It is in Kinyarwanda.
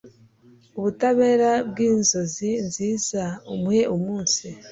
Ububabare bwinzozi nziza uwuhe munsi